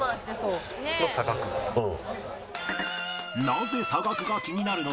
なぜ差額が気になるのか